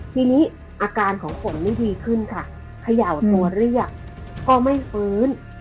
ทีนี้อาการของฝนนี่ดีขึ้นค่ะเขย่าตัวเรียกก็ไม่ฟื้น